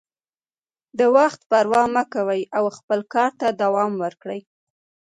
د وخت پروا مه کوئ او خپل کار ته دوام ورکړئ.